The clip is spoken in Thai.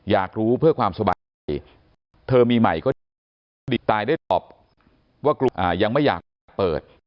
อยากรู้เพื่อความสบายเธอมีใหม่ก็ดีตายได้ตอบว่ากลุ่มยังไม่อยากเปิด